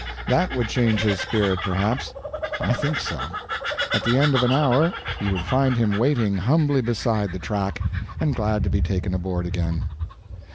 That would change his spirit, perhaps? I think so. At the end of an hour you would find him waiting humbly beside the track, and glad to be taken aboard again.